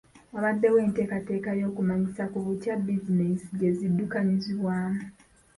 Waabaddewo enteekateeka y'okumanyisa ku butya bizinensi gye ziddukanyizibwamu.